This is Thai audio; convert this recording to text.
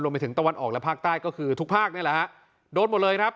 ไปถึงตะวันออกและภาคใต้ก็คือทุกภาคนี่แหละฮะโดนหมดเลยครับ